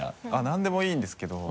なんでもいいんですけど。